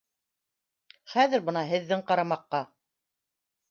Хәҙер бына һеҙҙең ҡарамаҡҡа